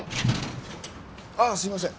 ああすいません。